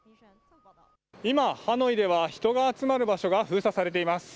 今、ハノイでは人が集まる場所が封鎖されています。